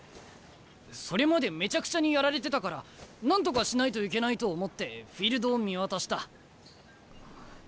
それまでめちゃくちゃにやられてたからなんとかしないといけないと思ってフィールドを見渡した。